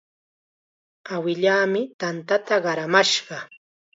Awilaami tanta qaramashqa.